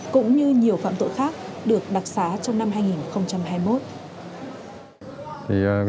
cộng tội khác được đặc xá trong năm hai nghìn hai mươi một